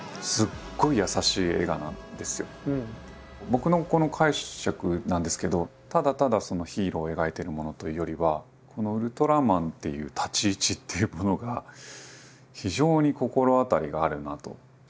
僕のこの解釈なんですけどただただヒーローを描いているものというよりはこのウルトラマンっていう立ち位置っていうものが非常に心当たりがあるなと。